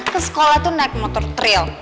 ke sekolah itu naik motor trail